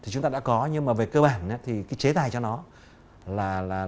chúng ta đã có nhưng mà về cơ bản thì cái chế tài cho nó là